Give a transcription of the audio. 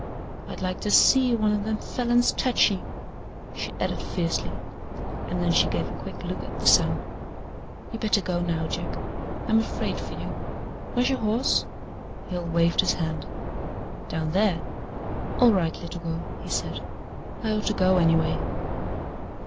"I'd like to SEE one o' them Falins tech ye," she added fiercely, and then she gave a quick look at the sun. "You better go now, Jack. I'm afraid fer you. Where's your horse?" Hale waved his hand. "Down there. All right, little girl," he said. "I ought to go, anyway."